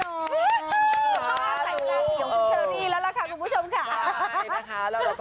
ต้องการใส่เวลาเสียงขึ้นเชิงนี้แล้วล่ะค่ะคุณผู้ชมค่ะ